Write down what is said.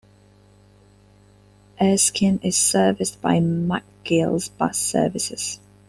Erskine is serviced by McGill's Bus Services.